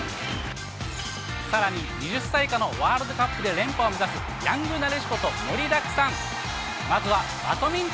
さらに２０歳以下のワールドカップで連覇を目指す、ヤングなでしこともりだくさん。